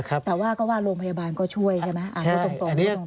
แต่ว่าก็ว่าโรงพยาบาลก็ช่วยใช่ไหม